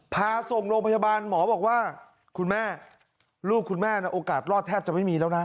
พาส่งโรงพยาบาลหมอบอกว่าคุณแม่ลูกคุณแม่โอกาสรอดแทบจะไม่มีแล้วนะ